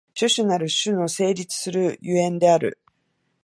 種々なる種の成立する所以である。